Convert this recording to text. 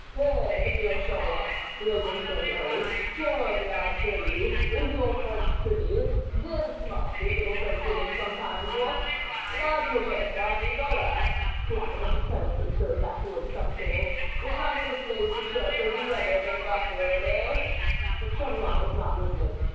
"Hey, M. Chauvelin," the latter was saying airily, "tell me, I pray you, is your friend pretty? Demmed smart these little French women sometimes—what? But I protest I need not ask," he added, as he carelessly strode back towards the supper table. "In matters of taste the Church has never been backward. ... Eh?" But Chauvelin was not listening.